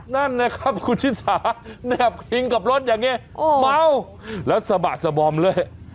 นั่นนะครับคุณชิสาแนบคิงกับรถอย่างนี้เมาแล้วสะบะสบอมเลย